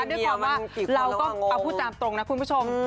ด้วยความว่าเราก็เอาพูดตามตรงนะคุณผู้ชม